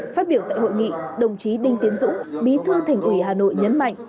phát biểu tại hội nghị đồng chí đinh tiến dũng bí thư thành ủy hà nội nhấn mạnh